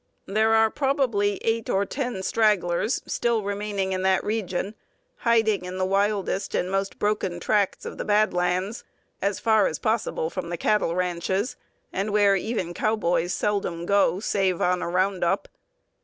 There are probably eight or ten stragglers still remaining in that region, hiding in the wildest and most broken tracts of the bad lands, as far as possible from the cattle ranches, and where even cowboys seldom go save on a round up.